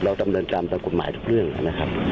เราต้องตามตามกฎหมายทุกเรื่องนะครับ